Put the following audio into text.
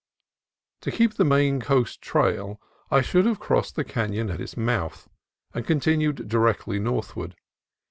To keep the main coast trail I should have crossed the canon at its mouth and continued directly north ward.